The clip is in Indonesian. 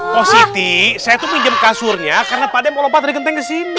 positi saya tuh pinjam kasurnya karena pak d mau lompat dari genteng ke sini